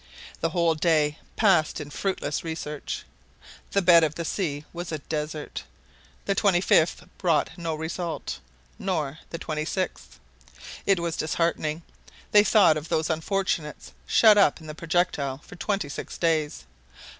The whole day passed in fruitless research; the bed of the sea was a desert. The 25th brought no other result, nor the 26th. It was disheartening. They thought of those unfortunates shut up in the projectile for twenty six days.